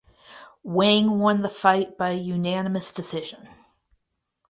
Wang won the fight by unanimous decision.